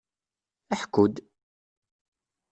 Ḥku-d!